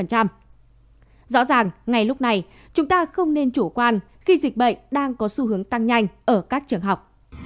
rõ ràng ngay lúc này chúng ta không nên chủ quan khi dịch bệnh đang có xu hướng tăng nhanh ở các trường học